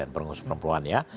pengusup perempuan ya